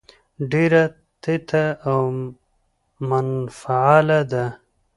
ډېره تته او منفعله ده.